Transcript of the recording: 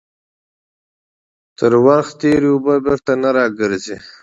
تر ورخ تيري اوبه بيرته نه راگرځي.